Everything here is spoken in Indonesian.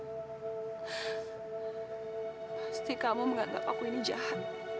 pasti kamu menganggap aku ini jahat